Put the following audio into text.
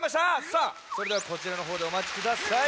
さあそれではこちらのほうでおまちください。